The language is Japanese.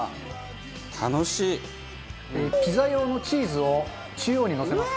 ピザ用のチーズを中央にのせます。